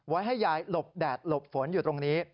ให้ยายหลบแดดหลบฝนอยู่ตรงนี้